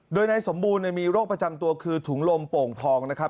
โดยนายสมบูรณ์มีโรคประจำตัวคือถุงลมโป่งพองนะครับ